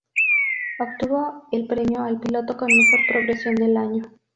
Obtuvo el premio al piloto con mejor progresión del año.